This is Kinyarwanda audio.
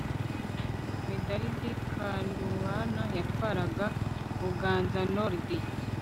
Medardi Kanubana yatwaraga BuganzaNord